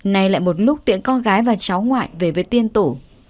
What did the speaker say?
nay lại một lúc tượng con gái và cháu ngoại về với tiên tổ